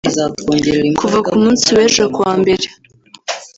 Kuva ku munsi w’ejo kuwa mbere